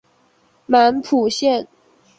满浦线